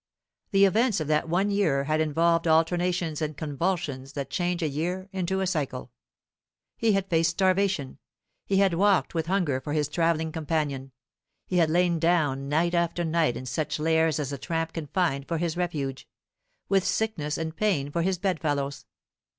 The events of that one year had involved alternations and convulsions that change a year into a cycle. He had faced starvation; he had walked with hunger for his travelling companion; he had lain down night after night in such lairs as the tramp can find for his refuge, with sickness and pain for his bed fellows.